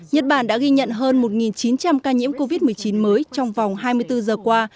nhật bản đã ghi nhận hơn một chín trăm linh ca nhiễm covid một mươi chín mới trong vòng hai mươi bốn giờ qua